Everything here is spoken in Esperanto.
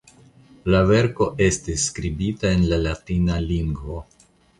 La verko estis skribita en la latina lingvo.